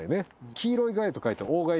黄色い害と書いて。